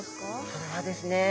それはですね